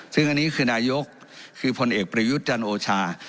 ซึ่งอันนี้คือนายกคือพลเอกประยุทธ์จันโอชา